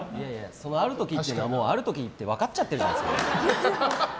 ある時っているのはある時って分かっちゃってるじゃないですか。